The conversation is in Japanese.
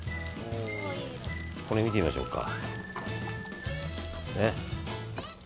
これ見てみましょうか。